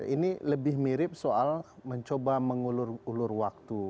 ini lebih mirip soal mencoba mengulur ulur waktu